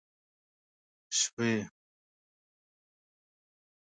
شوې